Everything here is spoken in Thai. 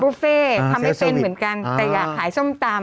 เฟ่ทำไม่เป็นเหมือนกันแต่อยากขายส้มตำ